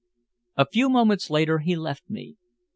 A few moments later he left me.